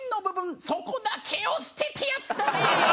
そこだけを捨ててやったぜ。